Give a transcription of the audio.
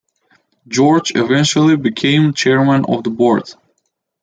George eventually became chairman of the board.